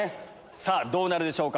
さぁどうなるでしょうか？